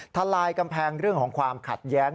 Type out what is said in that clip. ทลายกำแพงเรื่องของความขัดแย้ง